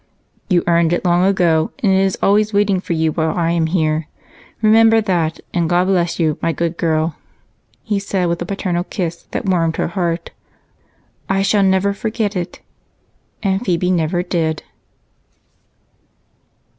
"You earned it long ago, and it is always waiting for you while I am here. Remember that, and God bless you, my good girl," he said, with a paternal kiss that warmed her heart. "I never shall forget it!" And Phebe never did.